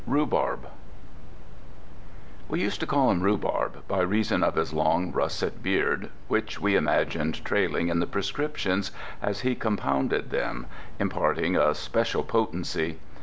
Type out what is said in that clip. RHUBARB We used to call him Rhubarb, by reason of his long russet beard, which we imagined trailing in the prescriptions as he compounded them, imparting a special potency.